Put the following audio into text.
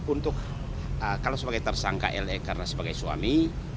untuk kalau sebagai tersangka la karena sebagai suami